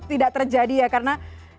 tidak terjadi ya karena